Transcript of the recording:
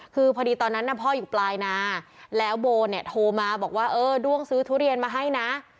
คือพอดีตอนนั้นพ่ออยู่ปลายนาแล้วโบเนี่ยโทรมาบอกว่าเออด้วงซื้อทุเรียนมาให้นะ